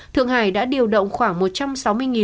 thượng hải đã điều động khoảng